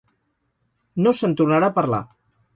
No se'n tornarà a parlar.